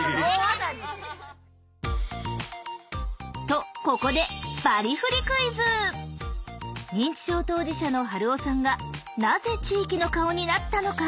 とここで認知症当事者の春雄さんがなぜ地域の顔になったのか？